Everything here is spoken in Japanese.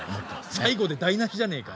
最後で台なしじゃねえか。